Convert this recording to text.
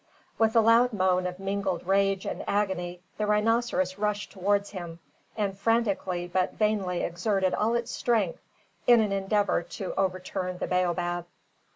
With a loud moan of mingled rage and agony, the rhinoceros rushed towards him, and frantically, but vainly exerted all its strength in an endeavour to overturn the baobab.